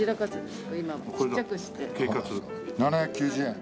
７９０円。